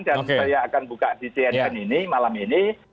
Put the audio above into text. dan saya akan buka di cnn ini malam ini